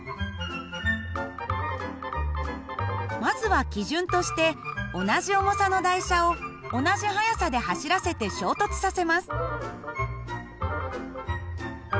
まずは基準として同じ重さの台車を同じ速さで走らせて衝突させます。